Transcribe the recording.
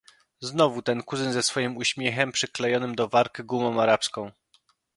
"Znowu ten kuzyn ze swoim uśmiechem, przyklejonym do warg gumą arabską!"